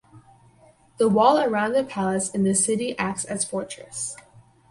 The wall around the palace and the city acts as fortress.